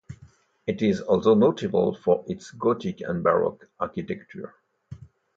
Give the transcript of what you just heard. It is also notable for its gothic and baroque architecture.